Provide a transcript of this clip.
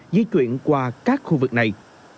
di chuyển qua các khu vực này